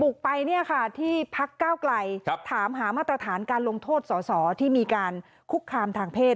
ไปเนี่ยค่ะที่พักเก้าไกลถามหามาตรฐานการลงโทษสอสอที่มีการคุกคามทางเพศ